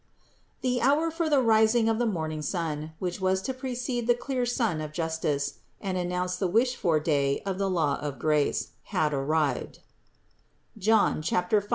270. The hour for the rising of the morning star, which was to precede the clear Sun of justice and an nounce the wished for day of the law of grace, had ar rived (John 5, 35).